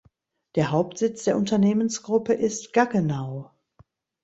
Der Hauptsitz der Unternehmensgruppe ist Gaggenau.